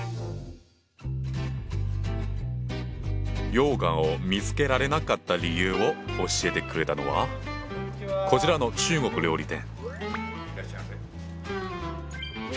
羊羹を見つけられなかった理由を教えてくれたのはこちらの中国料理店。